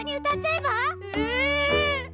え！